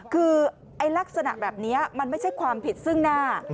คือลักษณะแบบนี้มันไม่ใช่ความผิดซึ่งหน้า